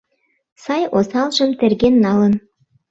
Сай-осалжым терген налын.